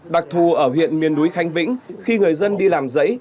đặc thù ở huyện miền núi khánh vĩnh khi người dân đi làm giấy